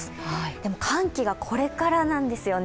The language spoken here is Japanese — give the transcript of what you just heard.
でも寒気がこれからなんですよね。